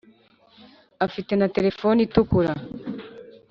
afite na terefoni itukura